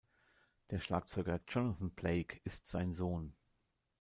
Der Schlagzeuger Johnathan Blake ist sein Sohn.